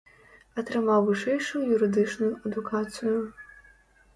Атрымаў вышэйшую юрыдычную адукацыю.